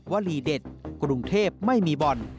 วลีเด็ดกรุงเทพไม่มีบ่อน